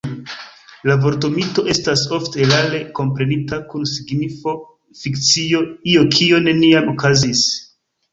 La vorto mito estas ofte erare komprenita kun signifo fikcio, io kio neniam okazis.